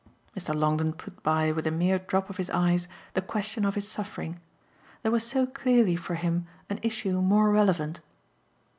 Mr. Longdon put by with a mere drop of his eyes the question of his suffering: there was so clearly for him an issue more relevant.